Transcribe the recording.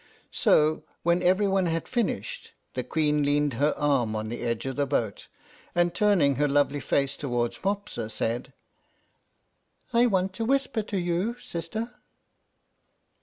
So, when every one had finished, the Queen leaned her arm on the edge of the boat, and, turning her lovely face towards Mopsa, said, "I want to whisper to you, sister."